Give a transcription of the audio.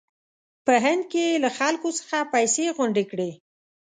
په هند کې یې له خلکو څخه پیسې غونډې کړې.